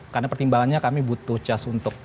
karena pertimbangannya kami butuh cas untuk